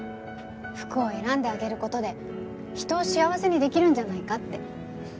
服を選んであげる事で人を幸せにできるんじゃないかって。